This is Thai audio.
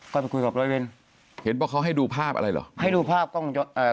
ก็ไปคุยกับร้อยเวรเห็นบอกเขาให้ดูภาพอะไรเหรอให้ดูภาพกล้องเอ่อ